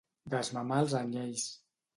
Desmamar els anyells.